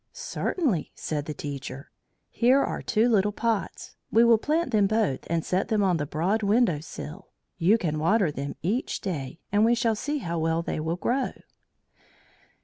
"Certainly," said the teacher. "Here are two little pots. We will plant them both, and set them on the broad window sill. You can water them each day, and we shall see how well they will grow."